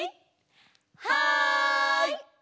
はい！